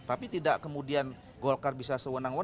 tapi tidak kemudian golkar bisa sewenang wenang